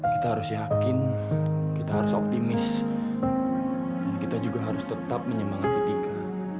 kita harus yakin kita harus optimis dan kita juga harus tetap menyemangati tika